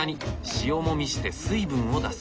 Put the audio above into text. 塩もみして水分を出す。